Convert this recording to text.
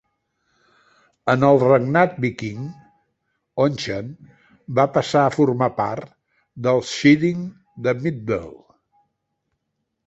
En el regnat viking, Onchan va passar a formar part del sheading de Middle.